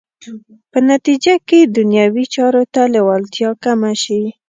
په نتیجه کې دنیوي چارو ته لېوالتیا کمه شي.